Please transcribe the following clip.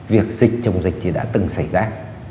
việc dịch chống dịch thì đã từng xảy ra